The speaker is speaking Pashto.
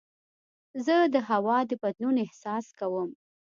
زه د هوا د بدلون احساس کوم.